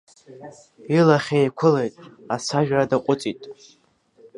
Илахь еиқәылеит, ацәажәара даҟәыҵит.